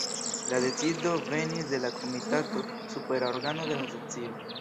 La decido venis de la Komitato, supera organo de la Asocio.